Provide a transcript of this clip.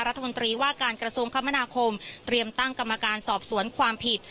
รัฐมนตรีว่าการกระทรวงคมนาคมเตรียมตั้งกรรมการสอบสวนความผิด